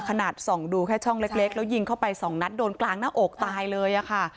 ขนาดส่องดูแค่ช่องเล็กแล้วยิงเข้าไปสองนัดโดนกลางหน้าอกตายเลยค่ะ